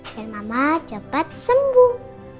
biar mama cepet sembuh